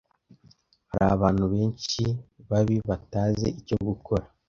hari abantu benshi babi batazi icyo gukora